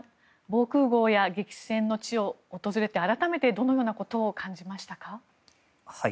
防空壕や激戦の地を訪れて改めてどのようなことを感じましたか？